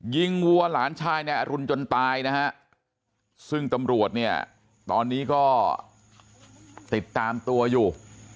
วัวหลานชายนายอรุณจนตายนะฮะซึ่งตำรวจเนี่ยตอนนี้ก็ติดตามตัวอยู่